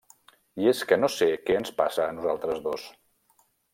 I és que no sé què ens passa a nosaltres dos.